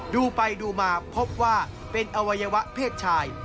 ดูไปดูมาพบว่าเป็นอวัยวะเพศชาย